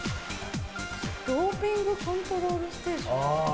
「ドーピングコントロールステーション」？